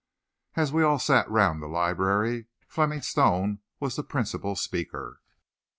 As we all sat round the library, Fleming Stone was the principal speaker.